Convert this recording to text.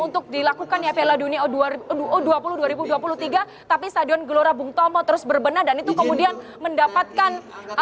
untuk dilakukan ya piala dunia u dua puluh dua ribu dua puluh tiga tapi stadion gelora bung tomo terus berbenah dan itu kemudian mendapatkan